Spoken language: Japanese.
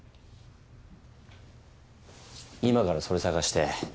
今からそれ探してだから。